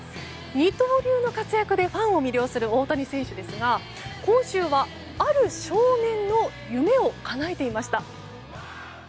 二刀流の活躍でファンを魅了する大谷選手ですが今週は、ある少年の夢をかなえていました。